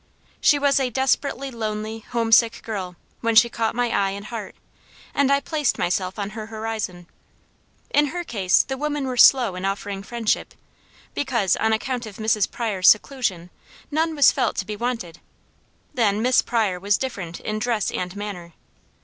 She was a desperately lonely, homesick girl, when she caught my eye and heart; and I placed myself on her horizon. In her case the women were slow in offering friendship, because, on account of Mrs. Pryor's seclusion, none was felt to be wanted; then Miss Pryor was different in dress and manner.